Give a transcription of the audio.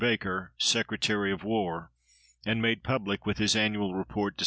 BAKER, SECRETARY OF WAR, AND MADE PUBLIC WITH HIS ANNUAL REPORT, DEC.